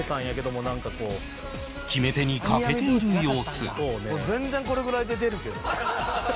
「もう全然これぐらいで出るけど」